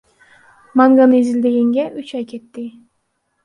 Манганы изилдегенге үч ай кетти.